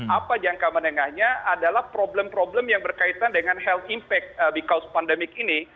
apa jangka menengahnya adalah problem problem yang berkaitan dengan health impact because pandemic ini